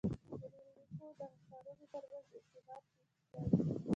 • رېل لیکو د ښارونو تر منځ ارتباط ټینګ کړ.